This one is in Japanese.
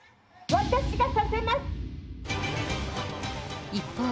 私がさせます！